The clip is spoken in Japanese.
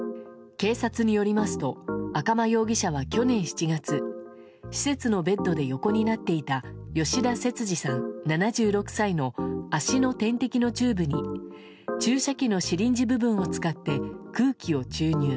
警察によりますと赤間容疑者は去年７月施設のベッドで横になっていた吉田節次さん、７６歳の足の点滴のチューブに注射器のシリンジ部分を使って空気を注入。